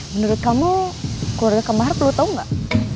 menurut kamu keluarga kemahar perlu tau gak